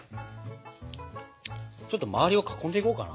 ちょっとまわりを囲んでいこうかな。